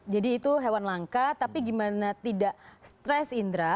jadi itu hewan langka tapi gimana tidak stres indra